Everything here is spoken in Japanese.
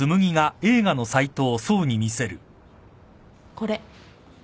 これ。